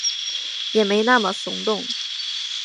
也没那么耸动